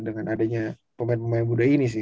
dengan adanya pemain pemain muda ini sih